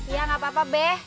ya gak apa apa beh